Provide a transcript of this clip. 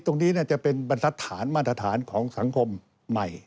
ตรงนี้จะเป็นบรรทัศนมาตรฐานของสังคมใหม่